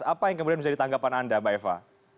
apa yang kemudian menjadi tanggapan anda mbak eva